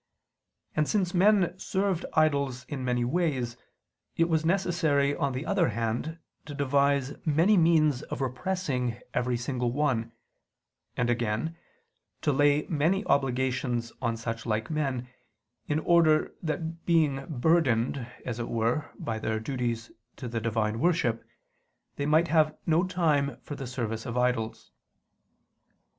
And since men served idols in many ways, it was necessary on the other hand to devise many means of repressing every single one: and again, to lay many obligations on such like men, in order that being burdened, as it were, by their duties to the Divine worship, they might have no time for the service of idols.